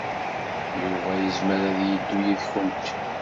Yuba yezmer ad yeddu yid-went?